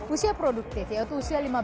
usia produktif yaitu usia lima belas